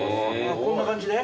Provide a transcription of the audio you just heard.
こんな感じで？